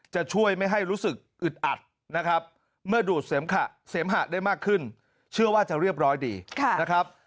จะช่วยไม่ให้รู้สึกอึดอัดนะครับเมื่อดูดเสมหะได้มากขึ้นเชื่อว่าจะเรียบร้อยดีนะครับ